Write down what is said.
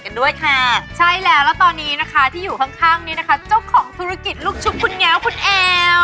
กันด้วยค่ะใช่แล้วแล้วตอนนี้นะคะที่อยู่ข้างข้างนี้นะคะเจ้าของธุรกิจลูกชุบคุณแง้วคุณแอล